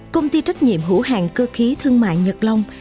công ty trách nhiệm hữu hàng cơ khí thương mại nhật long